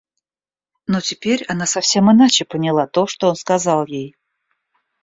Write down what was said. Но теперь она совсем иначе поняла то, что он сказал ей.